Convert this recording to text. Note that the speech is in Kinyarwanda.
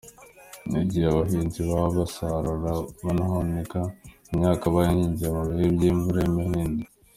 Ni igihe abahinzi baba basarura banahunika imyaka bahinze mu bihe by’imvura y’umuhindo.